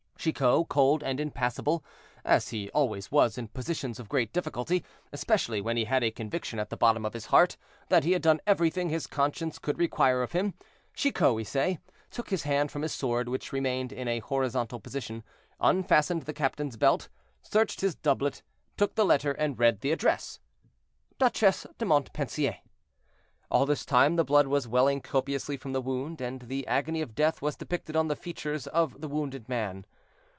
Chicot, cold and impassible as he always was in positions of great difficulty, especially when he had a conviction at the bottom of his heart that he had done everything his conscience could require of him—Chicot, we say, took his hand from his sword, which remained in a horizontal position, unfastened the captain's belt, searched his doublet, took the letter, and read the address: "Duchesse de Montpensier." All this time the blood was welling copiously from the wound, and the agony of death was depicted on the features of the wounded man.